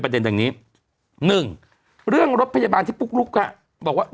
ประเด็นอย่างนี้หนึ่งเรื่องรถพยาบาลที่ปุ๊กรุกอะบอกว่าเนี้ย